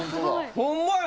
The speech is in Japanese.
ホンマや。